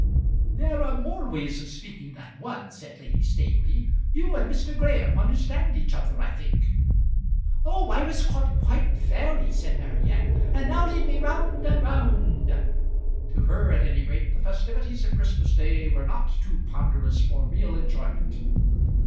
"There are more ways of speaking than one," said Lady Staveley. "You and Mr. Graham understand each other, I think." "Oh, I was caught quite fairly," said Marian "and now lead me round and round." To her at any rate the festivities of Christmas day were not too ponderous for real enjoyment.